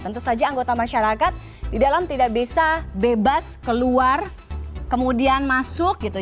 tentu saja anggota masyarakat di dalam tidak bisa bebas keluar kemudian masuk gitu